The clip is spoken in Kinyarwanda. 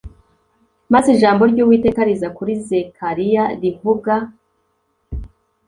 Maze ijambo ry uwiteka riza kuri zekariya rivuga